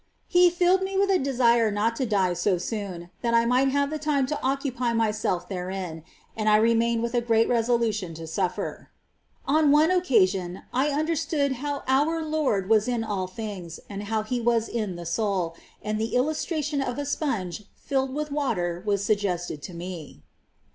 ^ He filled me with a desire not to die so soon, that I might have the time to occupy myself therein ; and I remained with a great resolu tion to suffer. 10. On one occasion, I understood how our Lord was in all things, and how He was in the soul ; and the illustration of a sponge filled with water was suggested to me.